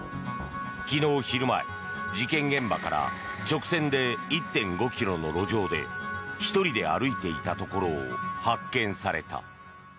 昨日昼前、事件現場から直線で１．５ｋｍの路上で１人で歩いていたところを発見された。